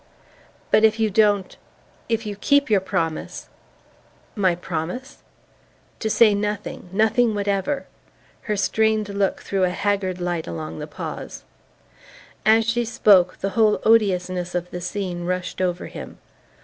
"But if you don't if you keep your promise " "My promise?" "To say nothing ... nothing whatever..." Her strained look threw a haggard light along the pause. As she spoke, the whole odiousness of the scene rushed over him.